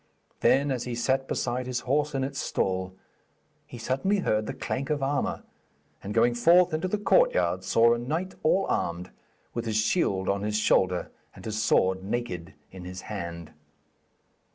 Then, as he sat beside his horse in its stall, he suddenly heard the clank of armour, and going forth into the courtyard saw a knight all armed, with his shield on his shoulder and his sword naked in his hand.